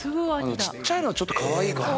ちっちゃいのはちょっとかわいいかもな。